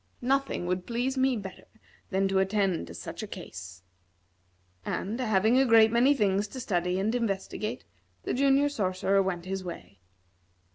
Nothing would please me better than to attend to such a case." And, having a great many things to study and investigate, the Junior Sorcerer went his way.